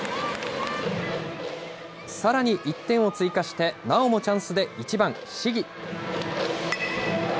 さらに１点を追加して、なおもチャンスで１番信貴。